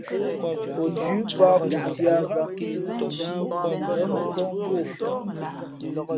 Ǒ thʉ̌ pǎh ko tiā zā, mα ngα̌ hᾱ nkᾱᾱ mbu ô.